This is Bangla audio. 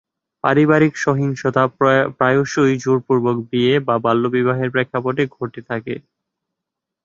পারিবারিক সহিংসতা প্রায়শই জোরপূর্বক বিয়ে বা বাল্যবিবাহের প্রেক্ষাপটে ঘটে থাকে।